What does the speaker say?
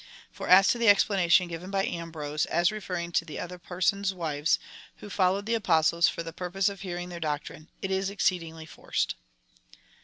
For as to the expla nation given by Ambrose, as referring to other persons' wives, who followed the Apostles for the purpose of hearing their doctrine, it is exceedingly forced.